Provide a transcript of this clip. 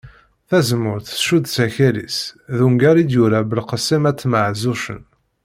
Tazemmurt tcudd s akal-is d ungal i yura Belqesem At Maɣzuccen